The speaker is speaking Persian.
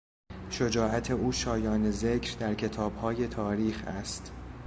شجاعت او شایان ذکر در کتابهای تاریخ است.